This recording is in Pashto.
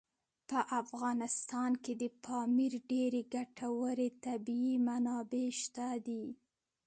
په افغانستان کې د پامیر ډېرې ګټورې طبعي منابع شته دي.